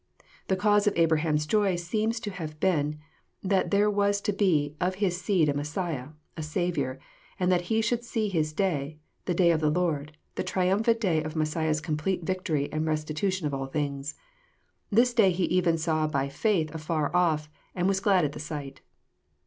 The cause of Abraham's joy seems to have been, that there was to be of his seed a Messiah, a Saviour ; and that he should see His day, — the day of the Lord, the triumphant day of Messiah's complete victoi*y and restitution of all things. This day he even saw by faith afar off, and was glad at the sight.